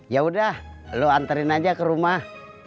ya udah lo anterin aja ke rumah